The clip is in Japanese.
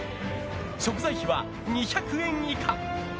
食材費は２００円以下。